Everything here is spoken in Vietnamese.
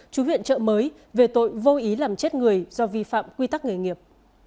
chú huyện chợ mới về tội vô ý làm chết người do vi phạm quy tắc nghề nghiệp